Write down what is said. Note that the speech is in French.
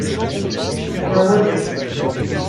Il y en avait.